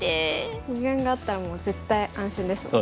二眼があったらもう絶対安心ですもんね。